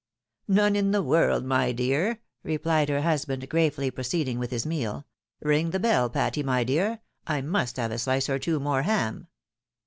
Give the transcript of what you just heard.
" None in the world, my dear," replied her husband, gravely proceeding with his meal. " Ring the bell, Patty, my dear ; I must have a slice or two more ham."